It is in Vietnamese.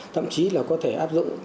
thậm chí là có thể áp dụng